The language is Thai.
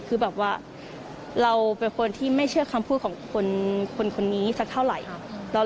คือแบบว่าเราเป็นคนที่ไม่เชื่อคำพูดของคนนี้สักเท่าไหร่